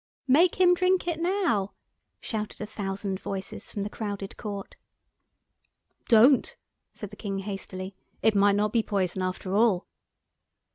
"Make him drink it now," shouted a thousand voices from the crowded Court. "Don't!" said the King, hastily, "it might not be poison after all."